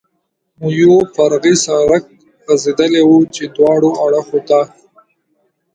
مو یو فرعي سړک غځېدلی و، چې دواړو اړخو ته.